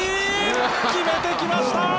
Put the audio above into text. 決めてきました！